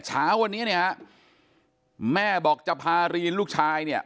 เช้าวันนี้เนี่ยฮะแม่บอกจะพารีนลูกชายเนี่ย